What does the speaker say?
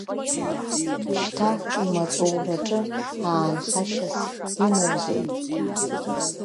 Шьҭа имаҵураҿы аанхашьас имоузеи?